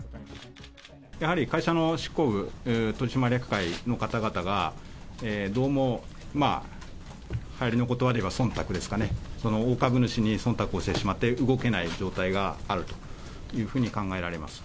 やはり会社の執行部、取締役会の方々が、どうもはやりのことばで言えばそんたくですかね、大株主にそんたくをしてしまって、動けない状態があるというふうに考えられます。